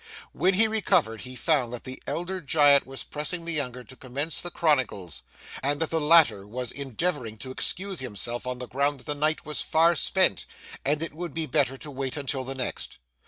When he recovered he found that the elder Giant was pressing the younger to commence the Chronicles, and that the latter was endeavouring to excuse himself on the ground that the night was far spent, and it would be better to wait until the next.